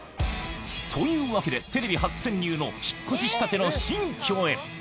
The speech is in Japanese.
というわけで、テレビ初潜入の引っ越ししたての新居へ。